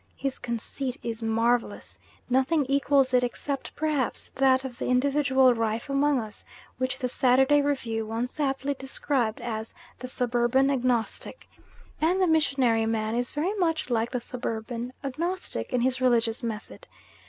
His conceit is marvellous, nothing equals it except perhaps that of the individual rife among us which the Saturday Review once aptly described as "the suburban agnostic"; and the "missionary man" is very much like the suburban agnostic in his religious method.